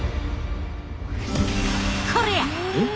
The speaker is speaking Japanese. これや！